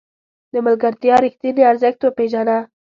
د ملګرتیا رښتیني ارزښت پېژنه.